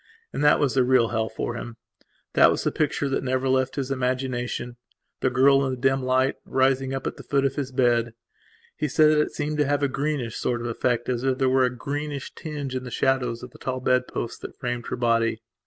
And that was the real hell for him. That was the picture that never left his imaginationthe girl, in the dim light, rising up at the foot of his bed. He said that it seemed to have a greenish sort of effect as if there were a greenish tinge in the shadows of the tall bedposts that framed her body.